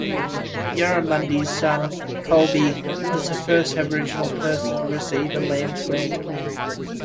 Yarramundi's son, Colbee, was the first Aboriginal person to receive a land grant.